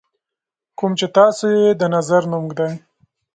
کوم چې تاسو یې د نظر نوم ږدئ.